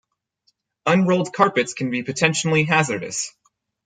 Unrolled carpets can be potentially hazardous.